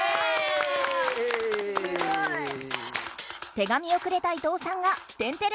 手紙をくれた伊藤さんが「天てれ」